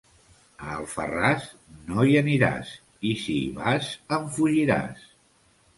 A Alfarràs no hi aniràs, i si hi vas, en fugiràs.